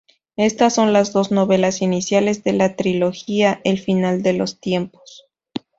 Estas son las dos novelas iniciales de la trilogía "El final de los tiempos".